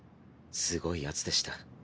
すごいヤツでした。